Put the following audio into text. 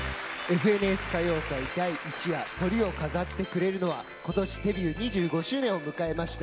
「ＦＮＳ歌謡祭第１夜」トリを飾ってくれるのは今年デビュー２５周年を迎えました